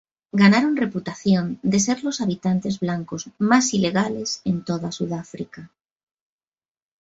Ganaron reputación de ser los habitantes blancos más ilegales en toda Sudáfrica.